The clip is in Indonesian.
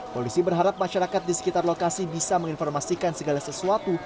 polisi berharap masyarakat di sekitar lokasi bisa menginformasikan segala sesuatu